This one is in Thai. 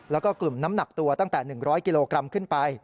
แล้วก็กลุ่มน้ำหนักตัวตั้งแต่๑๐๐กิโลกรัมขึ้นไป